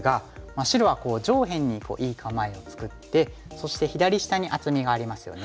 白は上辺にいい構えを作ってそして左下に厚みがありますよね。